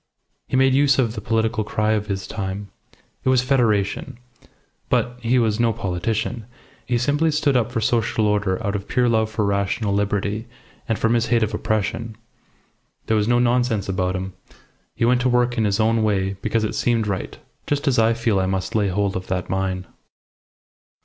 He made use of the political cry of his time. It was Federation. But he was no politician. He simply stood up for social order out of pure love for rational liberty and from his hate of oppression. There was no nonsense about him. He went to work in his own way because it seemed right, just as I feel I must lay hold of that mine."